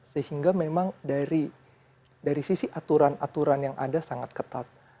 sehingga memang dari sisi aturan aturan yang ada sangat ketat